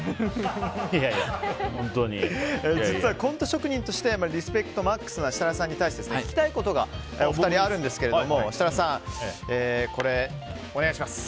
実はコント職人としてリスペクトマックスな設楽さんに対して聞きたいことがお二人、あるんですが設楽さん、お願いします。